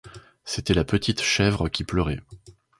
C’était la petite chèvre qui pleurait.